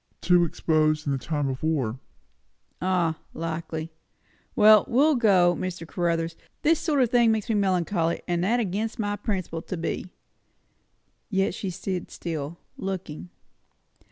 "Too exposed, in the time of the war." "Ah! likely. Well, we'll go, Mr. Caruthers; this sort o' thing makes me melancholy, and that' against my principles to be." Yet she stood still, looking.